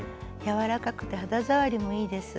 柔らかくて肌触りもいいです。